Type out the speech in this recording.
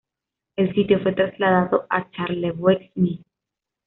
El sitio fue trasladado a Charlevoix, Mi.